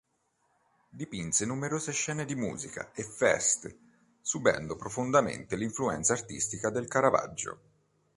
Dipinse numerose scene di musica e feste, subendo profondamente l'influenza artistica del Caravaggio.